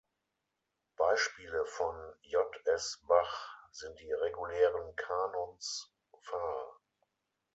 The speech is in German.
Beispiele von J. S. Bach sind die regulären Kanons, Var.